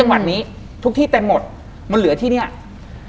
ทำไมเขาถึงจะมาอยู่ที่นั่น